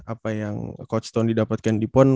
apa yang coach tony dapatkan di pon